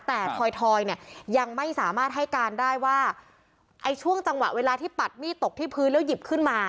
แต่ทอยเนี่ยยังไม่สามารถให้การได้ว่าไอ้ช่วงจังหวะเวลาที่ปัดมีดตกที่พื้นแล้วหยิบขึ้นมา